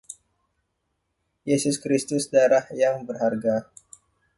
Yesus Kristus, Darah yang berharga!